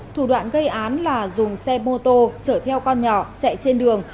thủ đoạn gây án là dùng xe mô tô chở theo con nhỏ chạy trên đường